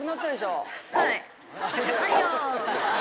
はい！